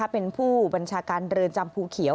เป็นผู้บัญชาการเรือนจำภูเขียว